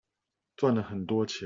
賺了很多錢